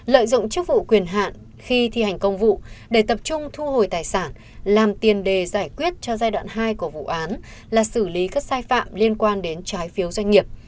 lợi dụng chức vụ quyền hạn khi thi hành công vụ để tập trung thu hồi tài sản làm tiền đề giải quyết cho giai đoạn hai của vụ án là xử lý các sai phạm liên quan đến trái phiếu doanh nghiệp